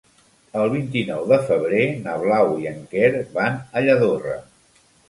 El vint-i-nou de febrer na Blau i en Quer van a Lladorre.